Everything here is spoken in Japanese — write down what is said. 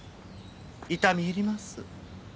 痛み入ります。